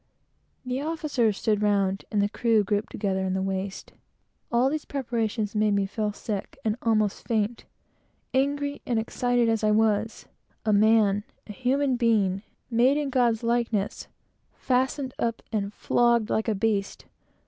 The officers stood round, and the crew grouped together in the waist. All these preparations made me feel sick and almost faint, angry and excited as I was. A man a human being, made in God's likeness fastened up and flogged like a beast!